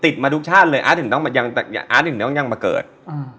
มาทุกชาติเลยอาร์ตถึงต้องมายังแต่อย่างอาร์ตถึงต้องยังมาเกิดอืม